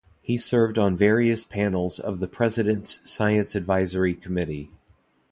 He served on various panels of the President's Science Advisory Committee.